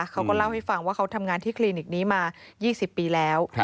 เขาก็เล่าให้ฟังว่าเขาทำงานที่คลินิกนี้มา๒๐ปีแล้ว